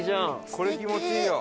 これ気持ちいいよ。